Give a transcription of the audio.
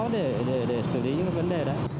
để xử lý những vấn đề đấy